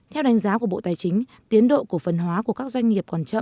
theo đánh giá của bộ tài chính tiến độ của phần hóa của các doanh nghiệp